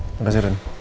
oke makasih ren